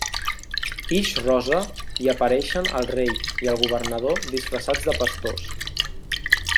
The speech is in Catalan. Ix Rosa i apareixen el rei i el governador disfressats de pastors.